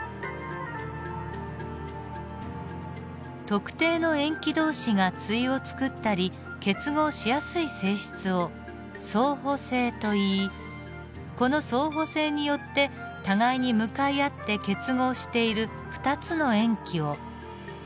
特定の塩基同士が対を作ったり結合しやすい性質を相補性といいこの相補性によって互いに向かい合って結合している２つの塩基を塩基対といいます。